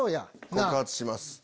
告発します。